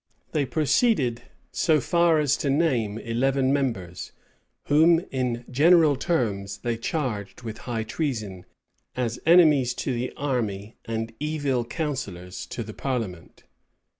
They proceeded so far as to name eleven members, whom, in general terms, they charged with high treason, as enemies to the army and evil counsellors to the parliament.